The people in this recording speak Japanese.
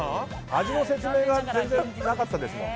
味の説明が全然なかったですもん。